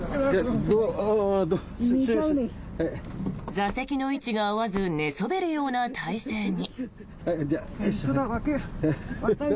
座席の位置が合わず寝そべるような体勢に。